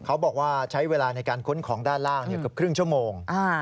เขาบอกว่าใช้เวลาในการค้นของด้านล่างเกือบครึ่งชั่วโมง